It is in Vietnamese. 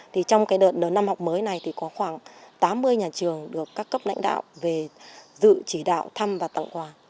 trong đợt năm học mới này có khoảng tám mươi nhà trường được các cấp lãnh đạo về dự chỉ đạo thăm và tặng quà